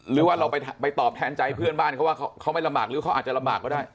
หรือว่าเราไปตอบแทนใจเพื่อนบ้านเขาว่าเขาไม่ลำบากหรือเขาอาจจะลำบากก็ได้